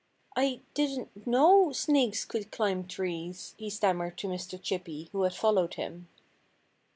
"I didn't know snakes could climb trees," he stammered to Mr. Chippy, who had followed him.